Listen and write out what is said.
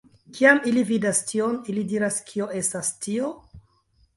Kiam ili vidas tion, ili diras kio estas tio?